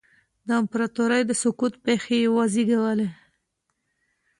د امپراتورۍ د سقوط پېښې یې وزېږولې.